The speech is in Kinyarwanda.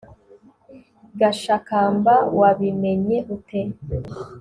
gashakamba wabimenye ute